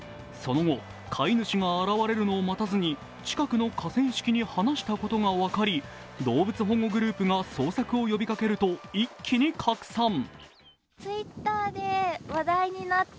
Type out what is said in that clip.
その後、飼い主が現れるのを待たずに近くの河川敷に放したことが分かり、動物保護グループが捜索を呼びかけると一気に拡散。